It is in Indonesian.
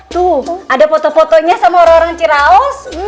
tuh ada foto fotonya sama orang orang ciraus